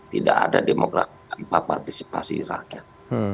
tidak ada demokrasi tanpa partisipasi rakyat